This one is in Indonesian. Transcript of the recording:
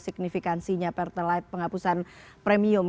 signifikansinya penghapusan premium